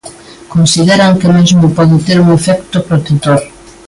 Consideran que mesmo pode ter un efecto protector.